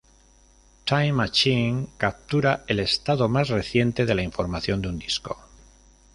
Time Machine captura el estado más reciente de la información de un disco.